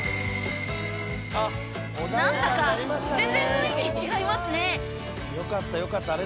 なんだか全然雰囲気違いますね！